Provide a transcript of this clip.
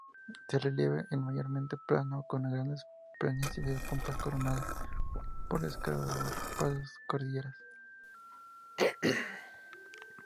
Su relieve es mayormente plano, con grandes planicies o pampas coronadas por escarpadas cordilleras.